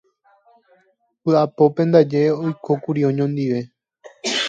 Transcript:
Vy'apópe ndaje oikókuri oñondive.